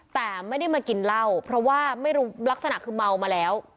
แต่ไม่ได้มากินเหล้าเพราะว่าไม่รู้ลักษณะคือเมามาแล้ว